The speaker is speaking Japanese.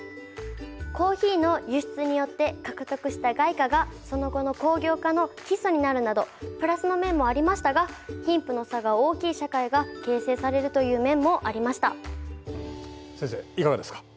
コーヒーの輸出によって獲得した外貨がその後の工業化の基礎になるなどプラスの面もありましたが貧富の差が大きい社会が形成されるという面もありました。